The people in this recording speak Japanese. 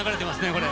これ。